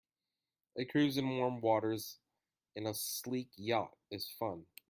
A cruise in warm waters in a sleek yacht is fun.